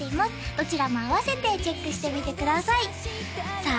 どちらも併せてチェックしてみてくださいさあ